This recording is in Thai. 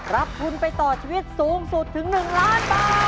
รับทุนไปต่อชีวิตสูงสุดถึง๑ล้านบาท